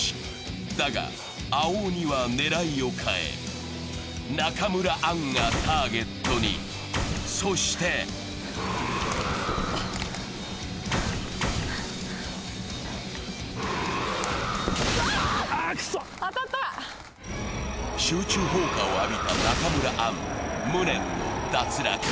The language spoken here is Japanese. だが、青鬼は狙いを変え、中村アンがターゲットに、そして集中砲火を浴びた中村アン、無念の脱落。